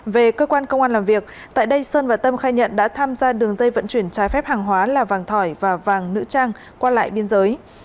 hóa là vàng thỏi và vàng nữ trang qua lại biên giới